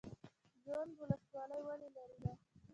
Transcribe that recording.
جوند ولسوالۍ ولې لیرې ده؟